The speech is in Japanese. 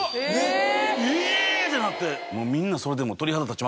えぇ⁉ってなって。